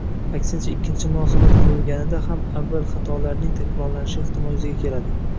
Aksincha, ikkinchi munosabat qurilganida ham avval xatolarning takrorlanishi ehtimoli yuzaga keladi